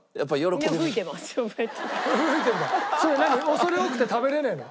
恐れ多くて食べられないの？